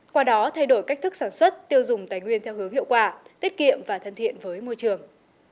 qua đó thay đổi cách thức sản xuất tiêu dùng tài nguyên theo hướng hiệu quả tiết kiệm và thân thiện với môi trường